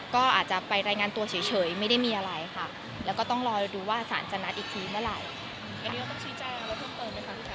ก็อาจจะไปรายงานตัวเฉยไม่ได้มีอะไรค่ะแล้วก็ต้องรอดูว่าสารจะนัดอีกทีเมื่อไหร่